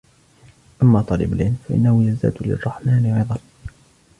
أَمَّا طَالِبُ الْعِلْمِ فَإِنَّهُ يَزْدَادُ لِلرَّحْمَنِ رِضًى